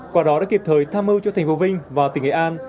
quả đó đã kịp thời tham mưu cho thành phố vinh và tỉnh nghệ an